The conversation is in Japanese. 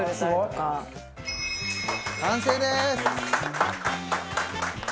完成です！